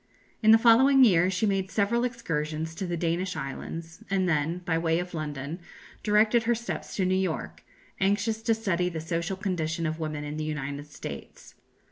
In the following year she made several excursions to the Danish islands, and then, by way of London, directed her steps to New York, anxious to study the social condition of women in the United States.